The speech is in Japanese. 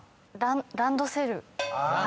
「ランドセル」